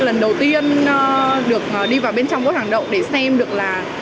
lần đầu tiên được đi vào bên trong bốt hàng động để xem được là